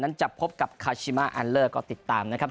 จะพบกับคาชิมาแอลเลอร์ก็ติดตามนะครับ